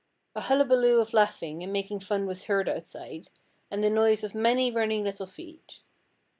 A hullabaloo of laughing and making fun was heard outside, and the noise of many running little feet.